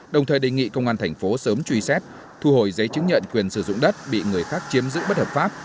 đồng thời đề nghị công an thành phố sớm truy xét thu hồi giấy chứng nhận quyền sử dụng đất bị người khác chiếm giữ bất hợp pháp